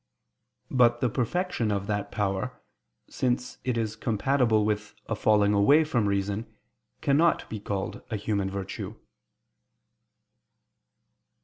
But the perfection of that power, since it is compatible with a falling away from reason, cannot be called a human virtue.